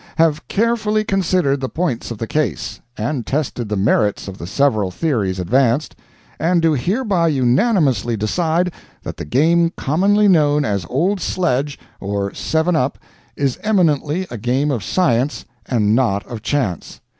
have carefully considered the points of the case, and tested the merits of the several theories advanced, and do hereby unanimously decide that the game commonly known as old sledge or seven up is eminently a game of science and not of chance.